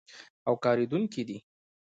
او کارېدونکی دی.